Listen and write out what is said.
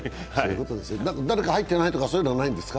誰か入ってないとかそういうのはないんですか？